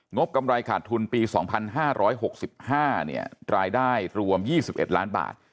บกำไรขาดทุนปี๒๕๖๕รายได้รวม๒๑ล้านบาท